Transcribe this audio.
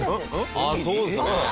あそうですね。